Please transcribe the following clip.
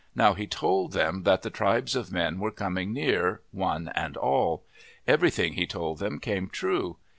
Now, he told them that the tribes of men were coming near, one and all. Everything he told them came true.